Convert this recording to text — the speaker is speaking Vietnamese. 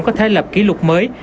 có thể lập kỷ lục mới